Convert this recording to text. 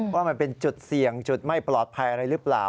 ว่ามันเป็นจุดเสี่ยงจุดไม่ปลอดภัยอะไรหรือเปล่า